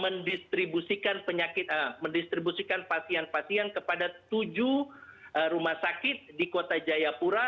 mendistribusikan penyakit a mendistribusikan pasien pasien kepada tujuh rumah sakit di kota jayapura